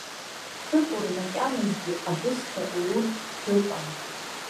Хьыкәыр макьаназгьы абысҭа луртә дыҟан.